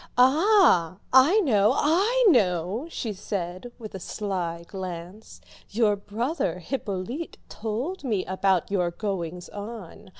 "Ah, I know, I know," she said with a sly glance, "your brother Hippolyte told me about your goings on.